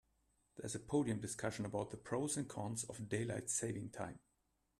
There's a podium discussion about the pros and cons of daylight saving time.